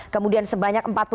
kemudian sebanyak empat puluh tiga